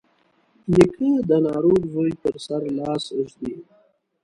نیکه د ناروغ زوی پر سر لاس ږدي.